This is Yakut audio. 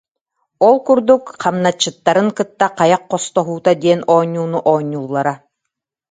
Ол курдук хамначчыттарын кытта «хайах хостоһуута» диэн оонньууну оонньууллара